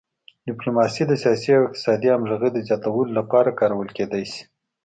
ډیپلوماسي د سیاسي او اقتصادي همغږۍ زیاتولو لپاره کارول کیدی شي